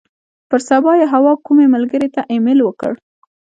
پر سبا یې حوا کومې ملګرې ته ایمیل وکړ.